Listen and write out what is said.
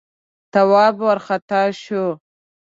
تواب وارخطا شو: